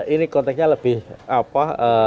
ini konteksnya lebih apa